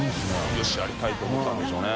茲やりたい！と思ったんでしょうね。